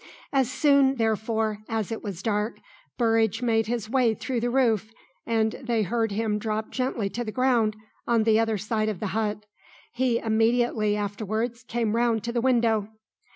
As soon, therefore, as it was dark Burridge made his way through the roof, and they heard him drop gently to the ground on the other side of the hut. He immediately afterwards came round to the window.